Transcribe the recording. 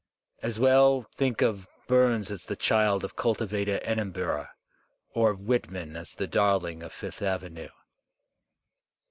As well think of Bums as the child of cultivated Edinburgh, or of Whitman as the darling of Fifth Avenue.